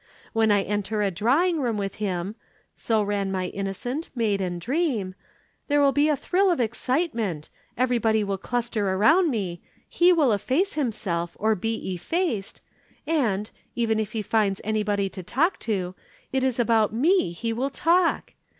When I enter a drawing room with him (so ran my innocent, maiden dream) there will be a thrill of excitement, everybody will cluster round me, he will efface himself or be effaced, and, even if he finds anybody to talk to, it is about me he will talk.